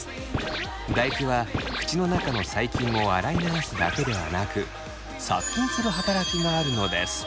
唾液は口の中の細菌を洗い流すだけではなく殺菌する働きがあるのです。